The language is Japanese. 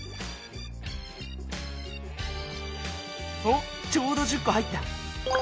おちょうど１０こ入った！